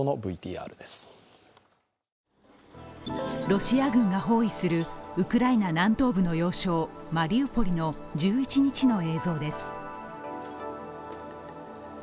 ロシア軍が包囲するウクライナ南東部の要衝、マリウポリの１１日の映像です。